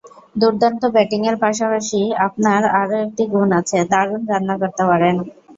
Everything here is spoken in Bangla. দুর্দান্ত ব্যাটিংয়ের পাশাপাশি আপনার আরও একটি গুণ আছে, দারুণ রান্না করতে পারেন।